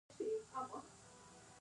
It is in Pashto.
ازادي راډیو د کډوال ستر اهميت تشریح کړی.